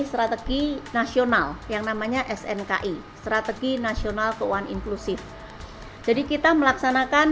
strategi nasional yang namanya snki strategi nasional keuangan inklusif jadi kita melaksanakan